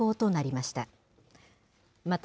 また、